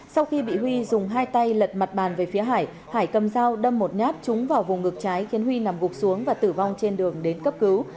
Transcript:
sau khi bị huy dùng hai tay lật mặt bàn về phía hải hải cầm dao đâm một nhát trúng vào vùng ngực trái khiến huy nằm gục xuống và tử vong trên đường đến cấp cứu